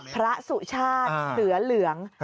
สุชาติเสือเหลือง